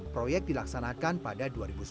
proyek dilaksanakan pada dua ribu sembilan belas